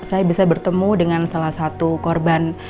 saya bisa bertemu dengan salah satu korban